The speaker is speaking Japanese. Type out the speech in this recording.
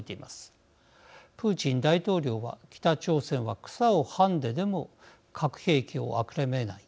プーチン大統領は「北朝鮮は草をはんででも核兵器を諦めない。